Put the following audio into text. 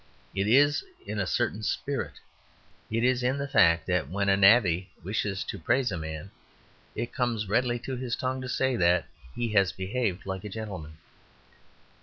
It is in a certain spirit. It is in the fact that when a navvy wishes to praise a man, it comes readily to his tongue to say that he has behaved like a gentleman.